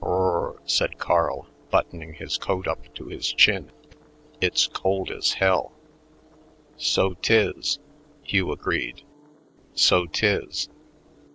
"Brr," said Carl, buttoning his coat up to his chin; "it's cold as hell." "So 'tis," Hugh agreed; "so 'tis.